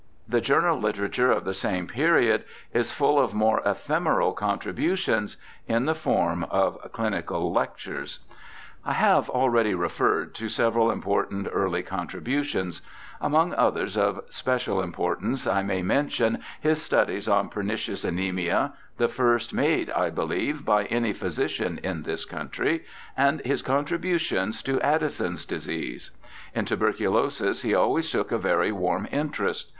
The journal literature of the same period is full of more ephemeral contributions in the form of chnical lectures. I have already referred to several important early contributions. Among others of special importance I may mention his studies on pernicious anaemia, the first made, I believe, by any physician in this country, and his contributions to Addison's disease. In tuber culosis he always took a very warm interest.